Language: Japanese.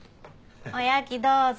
おやきどうぞ。